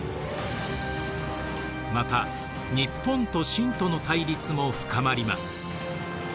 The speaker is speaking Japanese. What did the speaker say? また日本と清との対立も深まります。